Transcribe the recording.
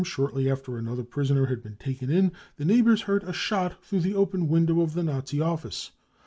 shortly after another prisoner had been taken in, the neighbours heard a shot through the open window of the Nazi office.